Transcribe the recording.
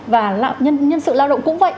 và nhân sự lao động cũng vậy